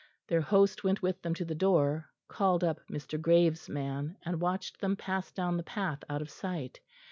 Their host went with them to the door, called up Mr. Graves' man, and watched them pass down the path out of sight.